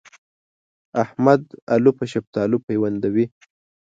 احمد الو په شفتالو پيوندوي.